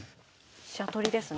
飛車取りですね。